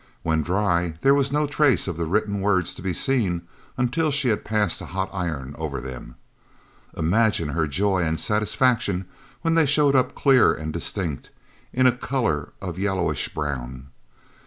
When dry, there was no trace of the written words to be seen until she had passed a hot iron over them. Imagine her joy and satisfaction when they showed up clear and distinct, in a colour of yellowish brown.